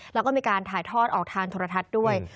แล้วก็มีการถ่ายทอดออกทางโทรทัศน์ด้วย